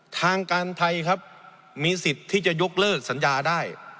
ทางการไทยครับมีสิทธิ์ที่จะยกเลิกสัญญาได้